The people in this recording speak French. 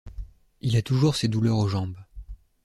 Il a toujours ses douleurs aux jambes.